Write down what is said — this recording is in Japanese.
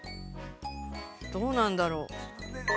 どうなんだろう。